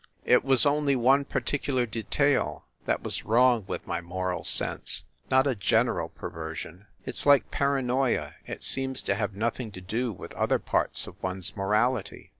It was only one particular detail that was wrong with my moral sense, not a general perver sion. It s like paranoia ; it seems to have nothing to do with other parts of one s morality.